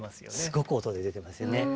すごく音で出てますよね。